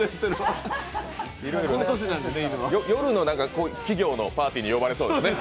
夜の企業のパーティーに呼ばれそうですね。